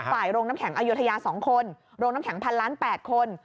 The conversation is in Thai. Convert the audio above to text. โรงน้ำแข็งอยุธยา๒คนโรงน้ำแข็งพันล้าน๘คน